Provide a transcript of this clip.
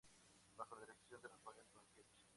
Bajo la dirección de Rafael Banquells.